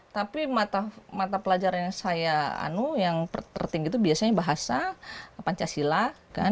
tapi mata pelajar saya anu yang tertinggi itu biasanya bahasa pancasila